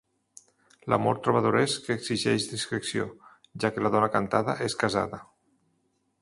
L'amor trobadoresc exigeix discreció, ja que la dona cantada és casada.